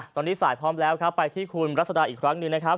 ตอนนี้สายพร้อมแล้วครับไปที่คุณรัศดาอีกครั้งหนึ่งนะครับ